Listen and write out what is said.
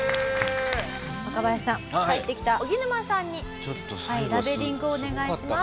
若林さん帰ってきたおぎぬまさんにラベリングをお願いします。